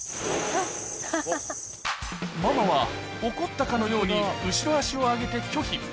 ママは怒ったかのように後ろ足を上げて拒否。